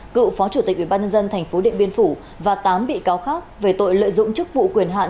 cựu phó chủ tịch ubnd tp điện biên phủ và tám bị cáo khác về tội lợi dụng chức vụ quyền hạn